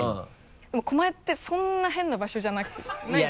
でも狛江ってそんな変な場所じゃないので。